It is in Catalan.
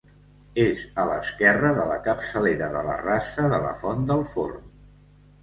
És a l'esquerra de la capçalera de la Rasa de la Font del Forn.